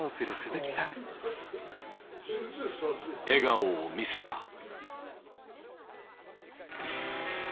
笑顔を見せた。